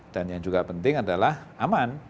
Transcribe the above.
dan yang juga penting adalah aman